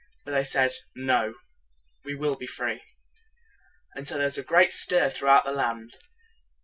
But they said, "No: we will be free." And so there was a great stir through out all the land.